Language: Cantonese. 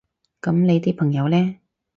噉你啲朋友呢？